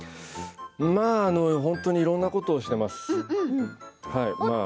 まあ本当にいろいろなことをしています、はい。